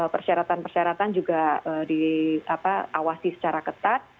persyaratan persyaratan juga di awasi secara ketat